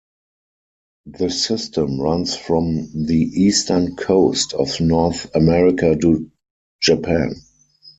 The system runs from the eastern coast of North America to Japan.